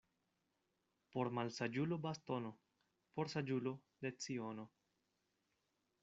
Por malsaĝulo bastono — por saĝulo leciono.